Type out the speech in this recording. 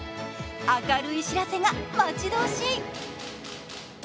明るい知らせが待ち遠しい。